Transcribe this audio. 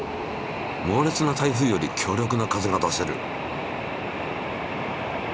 もうれつな台風より強力な風が出せる。